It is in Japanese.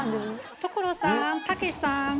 所さんたけしさん。